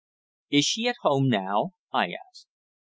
"Is she at home now?" I asked.